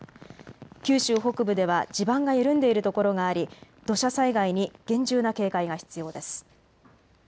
九州北部では地盤が緩んでいるところがあり、土砂災害に厳重な警戒が必要です。